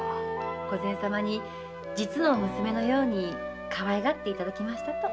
御前様に実の娘のようにかわいがっていただきましたと。